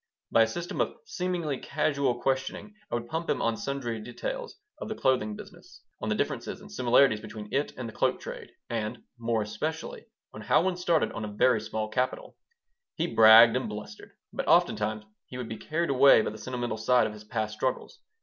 By a system of seemingly casual questioning I would pump him on sundry details of the clothing business, on the differences and similarities between it and the cloak trade, and, more especially, on how one started on a very small capital He bragged and blustered, but oftentimes he would be carried away by the sentimental side of his past struggles.